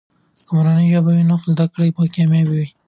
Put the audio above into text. که مورنۍ ژبه وي، نو زده کړه به کامیابه وي.